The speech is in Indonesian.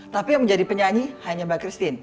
tapi yang menjadi penyanyi hanya mbak christine